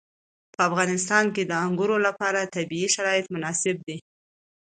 په افغانستان کې د انګور لپاره طبیعي شرایط مناسب دي.